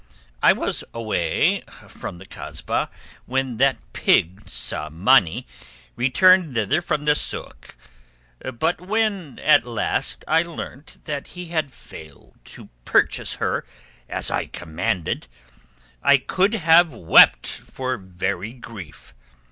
I was away from the Kasbah when that pig Tsamanni returned thither from the sôk; but when at last I learnt that he had failed to purchase her as I commanded, I could have wept for very grief.